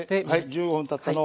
１５分たったのを。